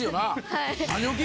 はい。